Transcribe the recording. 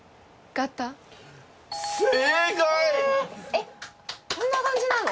えっこんな感じなの？